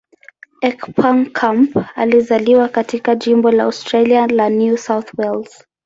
Heckenkamp alizaliwa katika jimbo la Australia la New South Wales.